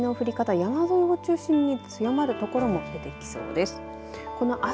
山沿いを中心に強まる所も出てきそうです。